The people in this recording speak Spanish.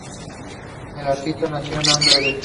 El artista nació en Amberes.